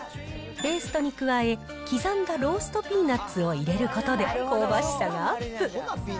ペーストに加え、刻んだローストピーナッツを入れることで、香ばしさがアップ。